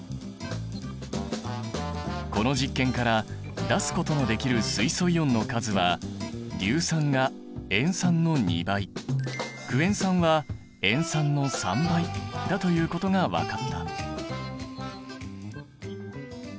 この実験から出すことのできる水素イオンの数は硫酸が塩酸の２倍クエン酸は塩酸の３倍だということが分かった。